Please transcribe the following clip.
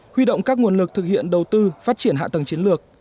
huy động các nguồn lực thực hiện đầu tư phát triển hạ tầng chiến lược